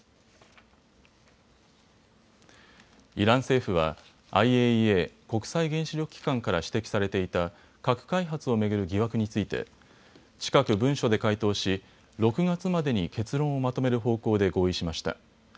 イラン政府はＩＡＥＡ・国際原子力機関から指摘されていた核開発を巡る疑惑について近く文書で回答し６月までに結論をまとめる方向で合意しました。